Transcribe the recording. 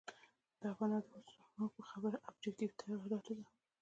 دا بنا د اوسنو په خبره آبجکټیف تغییراتو ده.